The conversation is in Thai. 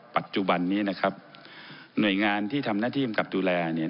ปัจจุบันนี้นะครับหน่วยงานที่ทำหน้าที่กำกับดูแลเนี่ย